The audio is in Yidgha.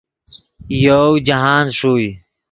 یوؤ جاہند ݰوئے